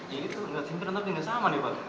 ya itu nggak tersimpat sama nih pak